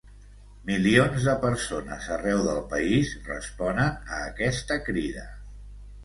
Milions de persones arreu del país responen a aquesta crida.